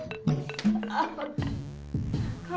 bapak bukan preman